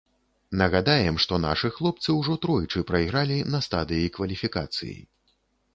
Нагадаем, што нашы хлопцы ўжо тройчы прайгралі на стадыі кваліфікацыі.